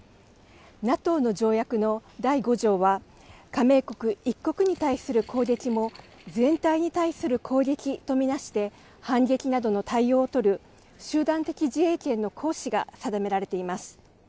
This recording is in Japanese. ＮＡＴＯの条約の第５条は、加盟国１国に対する攻撃も全体に対する攻撃と見なして、反撃などの対応を取る集団的自衛権の行使が定められています。